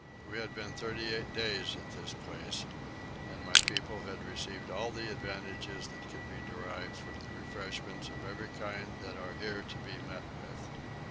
We had been thirty eight days at this place, and my people had received all the advantage that could be derived from the refreshments of every kind that are here to be met with.